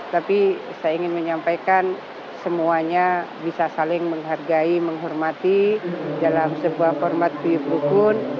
tapi saya ingin menyampaikan semuanya bisa saling menghargai menghormati dalam sebuah format biyub hukum